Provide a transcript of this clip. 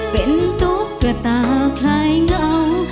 เป็นตุ๊กเกือบตาคลายเหงา